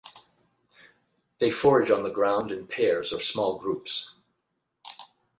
They forage on the ground in pairs or small groups.